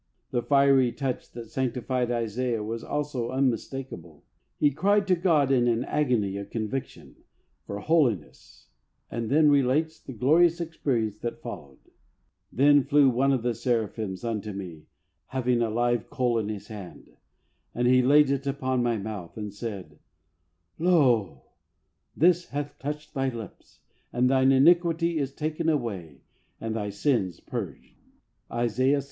The fiery touch that sanctified Isaiah was also unmistakable. He cried to God in an agony of conviction for holiness and then relates the glorious experience that followed: "Then flew one of the seraphims unto me, having a live coal in his hand, and he laid it upon my mouth, and said : Lo, this hath touched thy lips, and thine iniquity is taken away and thy sins purged " {Isaiah vi.